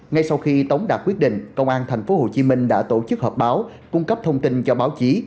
ngay sau khi tống đạt quyết định công an tp hcm đã tổ chức họp báo cung cấp thông tin cho báo chí